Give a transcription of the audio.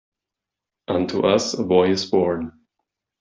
Unto us a boy is born.